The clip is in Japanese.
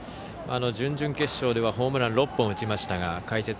準々決勝ではホームラン６本打ちましたが。